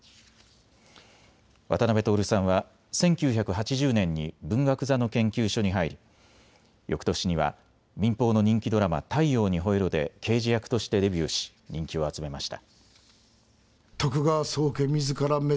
渡辺徹さんは１９８０年に文学座の研究所に入りよくとしには民放の人気ドラマ、太陽にほえろ！で刑事役としてデビューし人気を集めました。